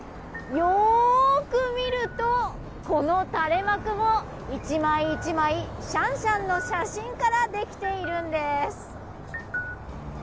よく見ると、この垂れ幕も１枚１枚、シャンシャンの写真からできているんです。